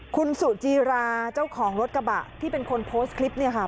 คุณสุจีราเจ้าของรถกระบะที่เป็นคนโพสต์คลิปเนี่ยค่ะ